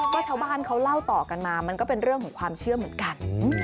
ก็ชาวบ้านเขาเล่าต่อกันมามันก็เป็นเรื่องของความเชื่อเหมือนกัน